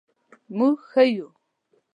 مونږ ښه یو